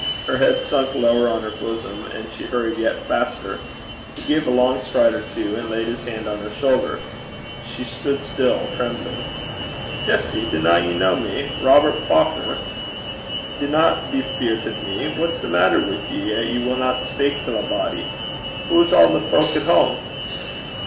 Her head sunk lower on her bosom, and she hurried yet faster. He gave a long stride or two and laid his hand on her shoulder. She stood still, trembling. 'Jessie, dinna ye ken me Robert Faukner? Dinna be feart at me. What's the maitter wi' ye, 'at ye winna speik till a body? Hoo's a' the fowk at hame?'